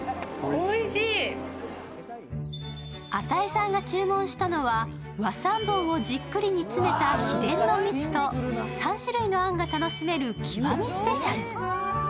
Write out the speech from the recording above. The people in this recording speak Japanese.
與さんが注文したのは和三盆をじっくり煮詰めた秘伝のみつと、３種類のあんが楽しめる極みスペシャル。